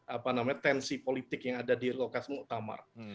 apa namanya tensi politik yang ada di lokasi muktamar